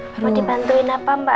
mau dibantuin apa mbak